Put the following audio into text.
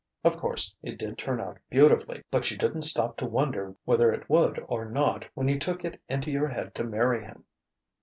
Of course, it did turn out beautifully; but you didn't stop to wonder whether it would or not when you took it into your head to marry him.